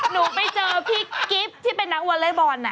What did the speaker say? หนูไปเจอกรีฟที่ไปนับวอร์เลฟ์บอลนะ